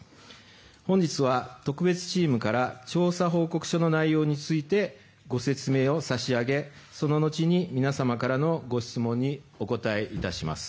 本日は特別調査チームから調査報告書の内容についてご説明を差し上げその後に皆様からのご質問にお答えいたします。